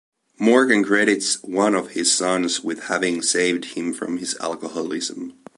Morgan credits one of his sons with having saved him from his alcoholism.